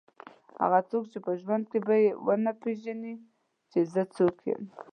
هغه څوک چې په ژوند کې به یې ونه پېژني چې زه څوک یم.